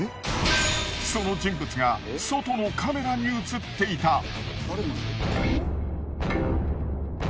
その人物が外のカメラに映っていた。